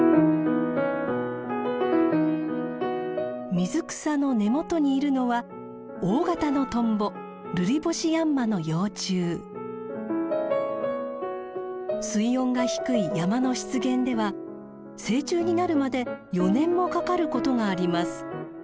水草の根元にいるのは大型のトンボ水温が低い山の湿原では成虫になるまで４年もかかることがあります。